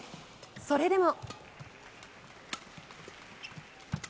それでも。